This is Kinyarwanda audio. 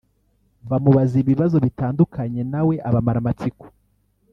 bamubaza ibibazo bitandukanye nawe abamara amatsiko